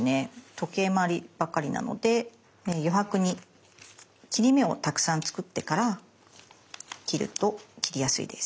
時計まわりばかりなので余白に切り目をたくさん作ってから切ると切りやすいです。